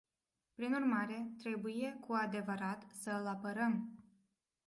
Prin urmare, trebuie cu adevărat să îl apărăm.